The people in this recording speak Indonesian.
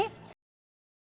terima kasih bang yandri